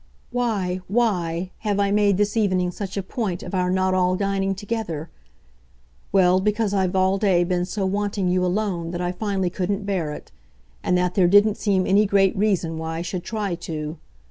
"'Why, why' have I made this evening such a point of our not all dining together? Well, because I've all day been so wanting you alone that I finally couldn't bear it, and that there didn't seem any great reason why I should try to.